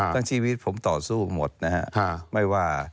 ชีวิตผมต่อสู้หมดนะฮะไม่ว่า